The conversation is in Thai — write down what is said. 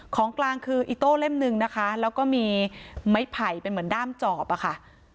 ของกลางคืออิโต้เล่มหนึ่งนะคะแล้วก็มีไม้ไผ่เป็นเหมือนด้ามจอบอะค่ะ